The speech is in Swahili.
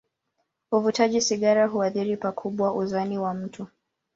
Uvutaji sigara huathiri pakubwa uzani wa mtu.